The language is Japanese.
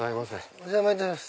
お邪魔いたします。